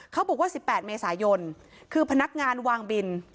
เขาบอกว่า๑๘เมษายนคือพนักงานวางบิน